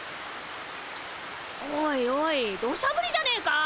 おいおいどしゃぶりじゃねえか。